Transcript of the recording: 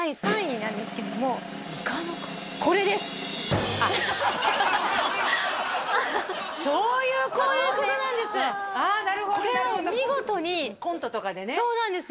なるほどなるほどコントとかでねそうなんですよ